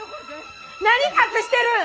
何隠してるん！？